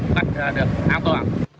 bắt được an toàn